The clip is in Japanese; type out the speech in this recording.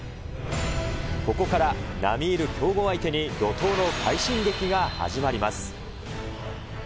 ここから並みいる強豪相手に、怒とうの快進撃が始まります。